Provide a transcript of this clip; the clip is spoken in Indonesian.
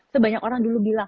sebanyak orang dulu bilang